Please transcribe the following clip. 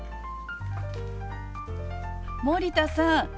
森田さん